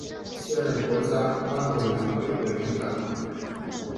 现任国家公安委员会委员长。